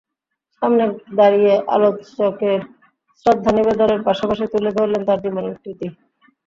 সামনে দাঁড়িয়ে আলোচকেরা শ্রদ্ধা নিবেদনের পাশাপাশি তুলে ধরলেন তাঁর জীবনের কৃতি।